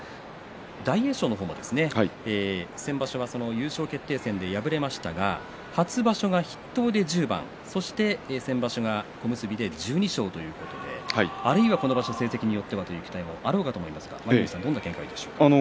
大栄翔も先場所は優勝決定戦で敗れましたが初場所は筆頭で１０番先場所が小結で１２勝ということであるいはこの場所成績によってはという期待もあろうかと思いますがどうですか。